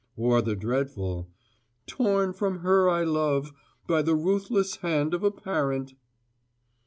or, the dreadful, "Torn from her I love by the ruthless hand of a parent.